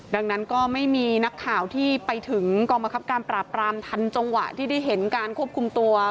ดังนั้นก็ไม่มีนักข่าวที่ไปถึงกองบังคับการปราบปรามทันจังหวะที่ได้เห็นการควบคุมตัว